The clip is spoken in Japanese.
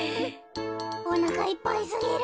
おなかいっぱいすぎる。